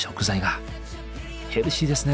ヘルシーですね。